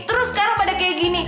terus sekarang pada kayak gini